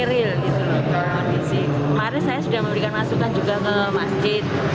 kemarin saya sudah memberikan masukan juga ke masjid